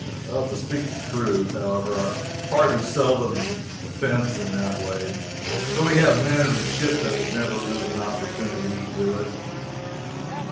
To speak the strict truth, however, our party seldom offend in that way, though we have men in the ship who never lose an opportunity to do it.